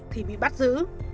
thì bị bắt giữ